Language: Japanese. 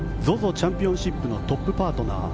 チャンピオンシップのトップパートナー